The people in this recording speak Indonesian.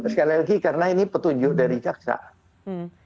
sekali lagi karena ini petunjuk dari kejaksaan